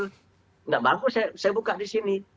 tidak bagus saya buka di sini